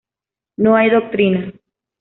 No hay doctrina.